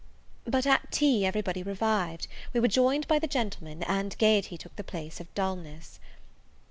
But, at tea, every body revived; we were joined by the gentlemen, and gaiety took the place of dullness.